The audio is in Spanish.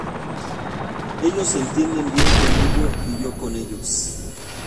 Ellos se entienden bien conmigo y yo con ellos.